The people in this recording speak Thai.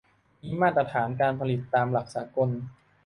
มีมาตรฐานการผลิตตามหลักสากล